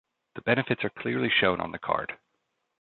The benefits are clearly shown on the card.